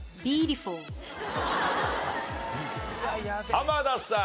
濱田さん。